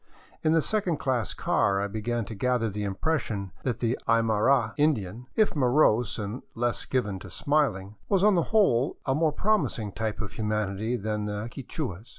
In the second class car I began to gather the impression that the Aymara Indian, if morose and even less given to smiling, was on the whole a more promising type of humanity than the Qui chuas.